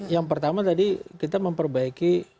yang pertama tadi kita memperbaiki